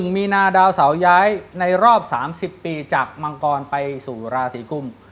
มีนาดาวเสาย้ายในรอบ๓๐ปีจากมังกรไปสู่ราศีกุม